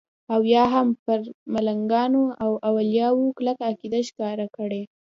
او یا هم پر ملنګانو او اولیاو کلکه عقیده ښکاره کړي.